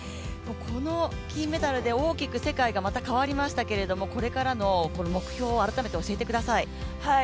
この金メダルで大きく世界がまた変わりましたけれども、これからの目標、改めて教えてください。